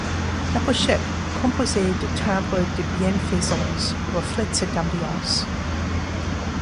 La pochette, composée de timbres de bienfaisance, reflète cette ambiance.